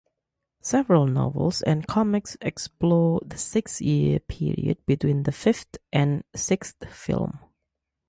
Several novels and comics explore the six-year period between the fifth and sixth films.